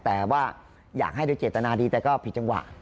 แต่ว่าอยากให้โดยเจตนาดีแต่ก็ผิดจังหวะ